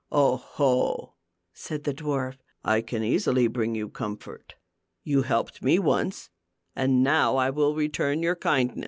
" 0, ho !" said the dwarf, " I can ^'^7 easily bring you com fort. You helped me once, and now I will re turn your kindness."